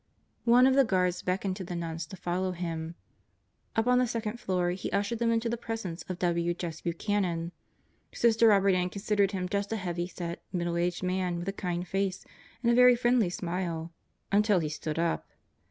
One of the guards beckoned to the nuns to follow him. Up on the second floor he ushered them into the presence of W. Jess Buchanan. Sister Robert Ann considered him just a heavy set, middle aged man with a kind face and a very friendly smile until he stood up.